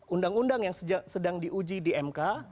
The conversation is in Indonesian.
undang undang yang sedang diuji di mk